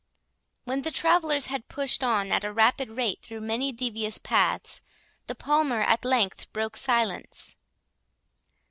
When the travellers had pushed on at a rapid rate through many devious paths, the Palmer at length broke silence.